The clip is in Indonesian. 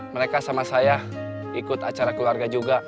mereka sama saya ikut acara keluarga juga